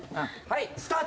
はい。